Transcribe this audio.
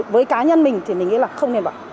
với cá nhân mình thì mình nghĩ là không nên bỏ